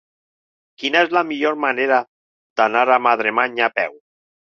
Quina és la millor manera d'anar a Madremanya a peu?